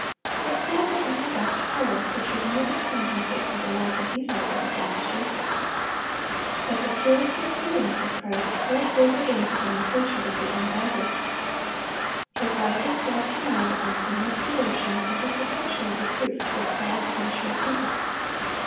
They saw that He possessed power which would more than compensate for the lack of these outward advantages. But the purity and holiness of Christ called forth against Him the hatred of the ungodly. His life of self denial and sinless devotion was a perpetual reproof to a proud, sensual people.